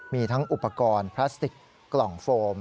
มีทั้งอุปกรณ์พลาสติกกล่องโฟม